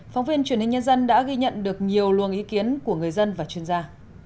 phóng viên truyền hình nhân dân đã ghi nhận được nhiều luồng ý kiến của người dân và chuyên gia